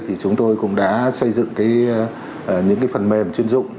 thì chúng tôi cũng đã xây dựng những phần mềm chuyên dụng